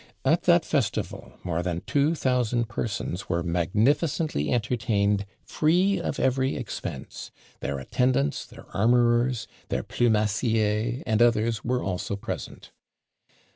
At that festival more than two thousand persons were magnificently entertained free of every expense; their attendants, their armourers, their plumassiers, and others, were also present.